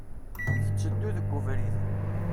Tetteddu deg ubrid.